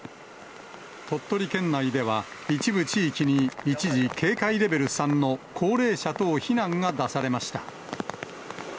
鳥取県内では、一部地域に一時、警戒レベル３の高齢者等避難が出されました。